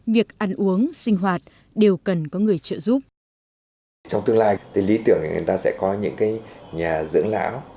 việc ăn uống sinh hoạt đều cần có người trợ giúp